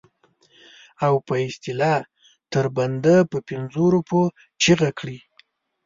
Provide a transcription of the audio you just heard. او په اصطلاح تر بنده په پنځو روپو چیغه کړي.